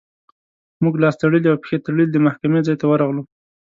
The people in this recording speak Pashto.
موږ لاس تړلي او پښې تړلي د محکمې ځای ته ورغلو.